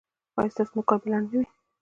ایا ستاسو نوکان به لنډ نه وي؟